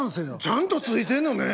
ちゃんと付いてんのね。